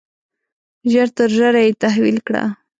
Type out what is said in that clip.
ژر تر ژره یې تحویل کړه.